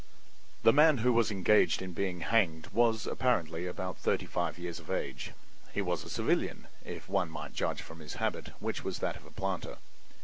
The man who was engaged in being hanged was apparently about thirty five years of age. He was a civilian, if one might judge from his habit, which was that of a planter.